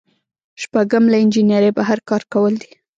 شپږم له انجنیری بهر کار کول دي.